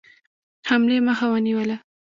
حملې مخه ونیوله.